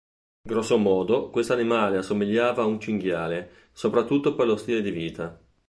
Grossomodo, questo animale assomigliava a un cinghiale, soprattutto per lo stile di vita.